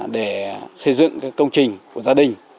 để xây dựng công trình của gia đình